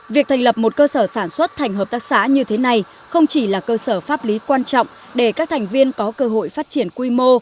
việc thành lập một cơ sở sản xuất thành hợp tác xã như thế này không chỉ là cơ sở pháp lý quan trọng để các thành viên có cơ hội phát triển quy mô